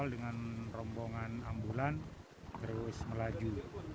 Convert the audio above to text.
dengan rombongan ambulan terus melaju